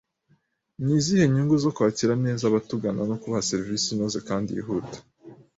Ni izihe nyungu zo kwakira neza abatugana no kubaha serivisi inoze kandi yihuta